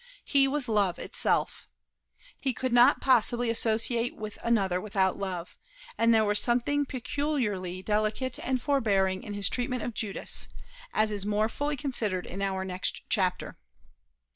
He was Love itself. He could not possibly associate with another without love, and there was something peculiarly delicate and forbearing in his treatment of Judas (as is more fully considered in our next chapter).